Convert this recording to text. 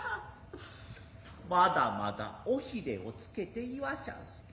まだまだ尾鰭をつけて言わしゃんす。